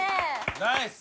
ナイス！